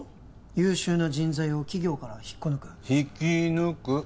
優秀な人材を企業から引っこ抜く「引き抜く」